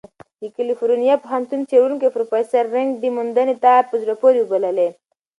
د کلیفورنیا پوهنتون څېړونکی پروفیسر رین نګ دې موندنې ته "په زړه پورې" وبللې.